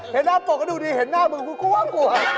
เห็นหน้าปกก็ดูดีเห็นหน้ามึงกูกลัว